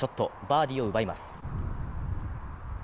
バーディーを奪います。